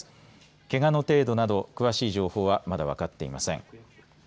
けがの程度など詳しい情報はまだわかっていません。